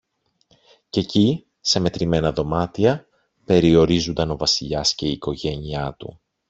Κι εκεί, σε μετρημένα δωμάτια, περιορίζουνταν ο Βασιλιάς και η οικογένεια του.